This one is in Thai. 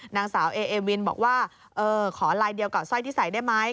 นางสาวเอเอวินบอกว่าเออขอลายเดียวกับสร้อยที่ใส่ได้ไหม